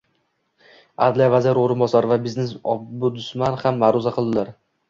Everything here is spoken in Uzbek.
Adliya vaziri o'rinbosari va biznes -ombudsman ham ma'ruza qildilar.